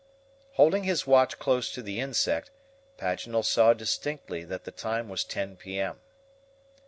Holding his watch close to the insect, Paganel saw distinctly that the time was 10 P. M.